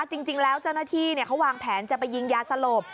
จริงแล้วเจ้านาฬีเนี้ยเขาวางแผนจะไปยิงยาสะหรับ